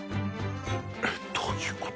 えっどういうこと？